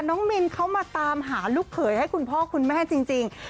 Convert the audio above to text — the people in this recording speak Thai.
มินเขามาตามหาลูกเขยให้คุณพ่อคุณแม่จริง